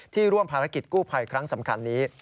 ร่วมภารกิจกู้ภัยครั้งสำคัญนี้